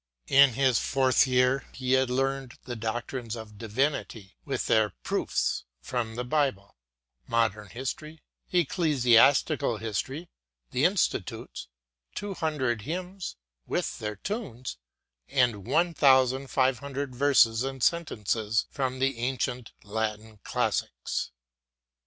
In his burth year he had learned the doctrines of divinity, with their proofs from the Bible ; modern history ; ecclesiastical history ; the institutes ; two hundred hymns, with their tunes ; and one thousand five hundred verses and sentences from the ancient Latin classics.